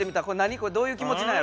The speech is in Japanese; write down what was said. これどういう気もちなんやろ。